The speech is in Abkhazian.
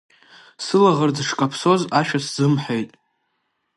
Сылаӷырӡ шкаԥсоз ашәа сзымҳәеит.